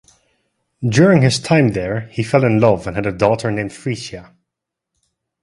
During his time there, he fell in love and had a daughter named Freesia.